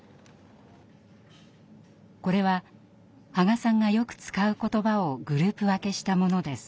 これは波賀さんがよく使う言葉をグループ分けしたものです。